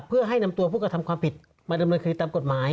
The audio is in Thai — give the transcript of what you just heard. เพื่อให้นำตัวผู้กระทำความผิดมาดำเนินคดีตามกฎหมาย